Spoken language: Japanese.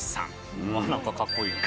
何かかっこいい。